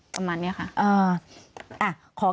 ประมาณนี้ค่ะ